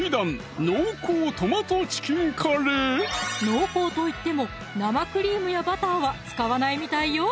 濃厚といっても生クリームやバターは使わないみたいよ